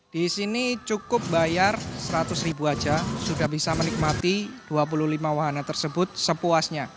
di sini cukup bayar seratus ribu saja sudah bisa menikmati dua puluh lima wahana tersebut sepuasnya